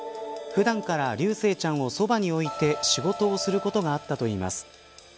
普段から琉正ちゃんをそばに置いて仕事をすることがあったといいます。